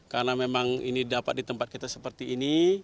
karena memang ini dapat di tempat kita seperti ini